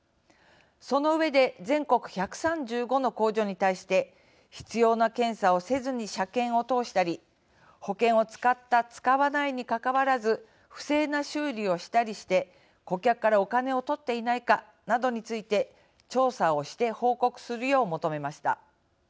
その上で全国１３５の工場に対して必要な検査をせずに車検を通したり保険を使った、使わないにかかわらず不正な修理をしたりして顧客からお金をとっていないかなどについて調査をして報告するよう求めました。